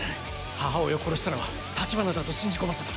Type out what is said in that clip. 母親を殺したのは橘だと信じ込ませた。